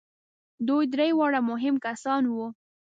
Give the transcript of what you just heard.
دوی درې واړه مهم کسان وو.